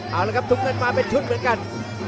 เอาละครับถุงเงินมาเป็นชุดเหมือนกัน